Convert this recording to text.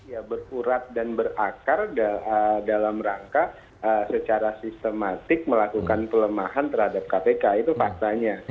ya berkurat dan berakar dalam rangka secara sistematik melakukan pelemahan terhadap kpk itu faktanya